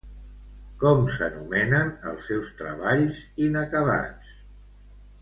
Com s'anomenen els seus treballs inacabats?